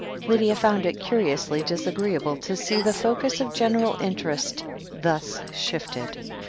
Lydia found it curiously disagreeable to see the focus of general interest thus shifted.